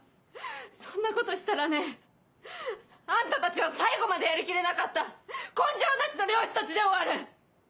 そんなことしたらねあんたたちは最後までやりきれなかった根性なしの漁師たちで終わる！